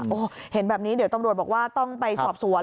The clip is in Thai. โอ้โหเห็นแบบนี้เดี๋ยวตำรวจบอกว่าต้องไปสอบสวน